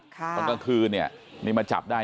ตอนกลางคืนนี้มาจับได้